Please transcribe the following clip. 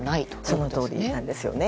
そのとおりなんですよね。